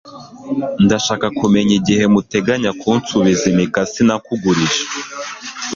ndashaka kumenya igihe muteganya kunsubiza imikasi nakugurije